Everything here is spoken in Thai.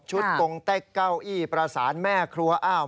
ตรงเต็กเก้าอี้ประสานแม่ครัวอ้าว